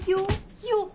よっ。